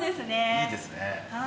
いいですね。